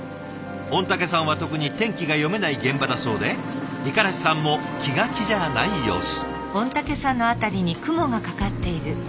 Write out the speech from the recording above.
御嶽山は特に天気が読めない現場だそうで五十嵐さんも気が気じゃない様子。